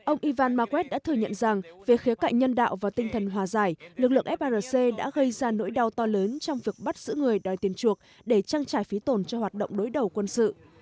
ông ivan ma quét đã thừa nhận rằng về khía cạnh nhân đạo và tinh thần hòa giải lực lượng frc đã gây ra nỗi đau to lớn trong việc bắt giữ người đòi tiền chuộc để trang trải phí tổn cho hoạt động đối đầu quân sự